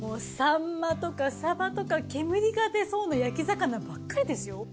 サンマとかサバとか煙が出そうな焼き魚ばっかりですよ。